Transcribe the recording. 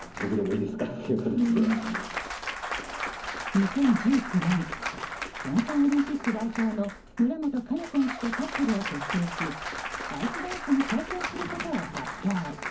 ２０１９年平昌オリンピック代表の村元哉中選手とカップルを結成しアイスダンスに挑戦することを発表。